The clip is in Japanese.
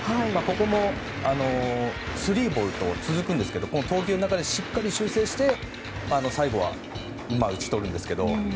ここも、スリーボールと続くんですけどしっかり投球の中で修正して最後は打ち取るんですけど。